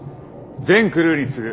全クルーに告ぐ！